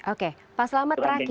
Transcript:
oke pak selamat terakhir